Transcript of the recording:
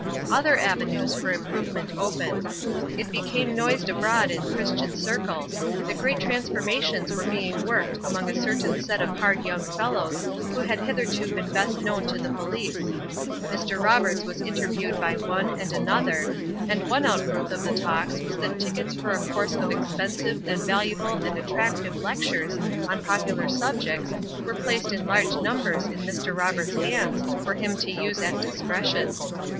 Other avenues for improvement opened. It became noised abroad in Christian circles that great transformations were being worked among a certain set of hard young fellows who had hitherto been best known to the police. Mr. Roberts was interviewed by one and another, and one outgrowth of the talks was that tickets for a course of expensive and valuable and attractive lectures on popular subjects were placed in large numbers in Mr. Roberts' hands for him to use at discretion.